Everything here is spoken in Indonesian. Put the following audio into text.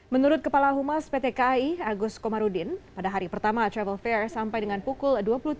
menurut kepala humas pt kai agus komarudin pada hari pertama travel fair sampai dengan pukul dua puluh tiga